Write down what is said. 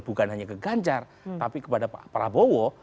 bukan hanya ke ganjar tapi kepada pak prabowo